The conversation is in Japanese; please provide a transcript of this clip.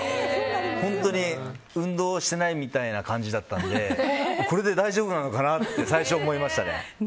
本当に運動してないみたいな感じだったのでこれで大丈夫なのかなって最初、思いましたね。